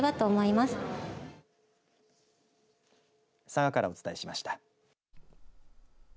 佐賀からお伝えしました。